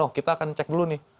oh kita akan cek dulu nih